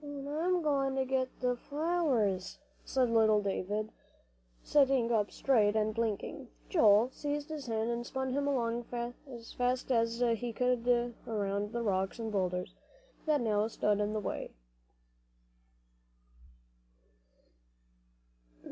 "I'm goin' to get the flowers," said little Davie, sitting up straight and blinking. Joel seized his hand and spun him along as fast as he could around the rocks and boulders that now stood in the way.